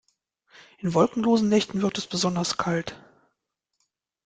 In wolkenlosen Nächten wird es besonders kalt.